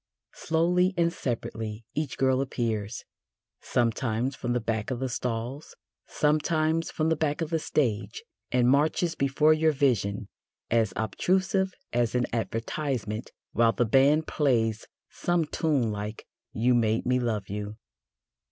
Slowly and separately each girl appears, sometimes from the back of the stalls, sometimes from the back of the stage, and marches before your vision as obtrusive as an advertisement, while the band plays some tune like "You made me love you."